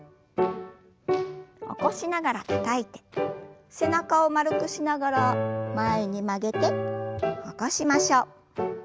起こしながらたたいて背中を丸くしながら前に曲げて起こしましょう。